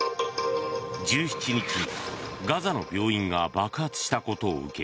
１７日、ガザの病院が爆発したことを受け